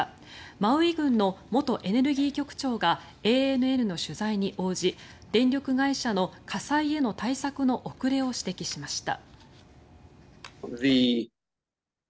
マウイ郡の元エネルギー局長がＡＮＮの取材に応じ電力会社の火災への対策の遅れを指摘しました。